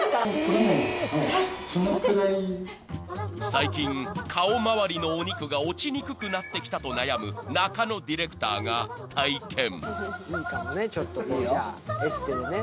［最近顔周りのお肉が落ちにくくなってきたと悩む中野ディレクターが体験］